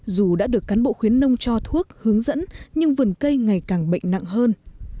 dù đã được cán bộ khuyến nông cho thuốc hướng dẫn nhưng vườn cây ngày càng bệnh nặng hơn